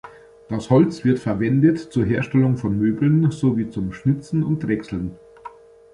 Das Holz wird verwendet zur Herstellung von Möbeln sowie zum Schnitzen und Drechseln.